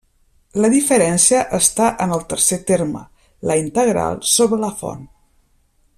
La diferència està en el tercer terme, la integral sobre la font.